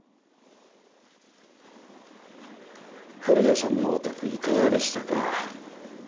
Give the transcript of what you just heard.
古谷さんのお宅いかがでしたか？